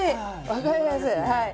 分かりやすいはい。